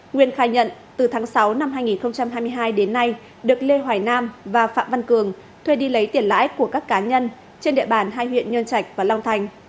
nguyên khai nhận từ tháng sáu năm hai nghìn hai mươi hai đến nay được lê hoài nam và phạm văn cường thuê đi lấy tiền lãi của các cá nhân trên địa bàn hai huyện nhân trạch và long thành